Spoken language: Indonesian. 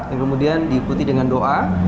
yang kemudian diikuti dengan doa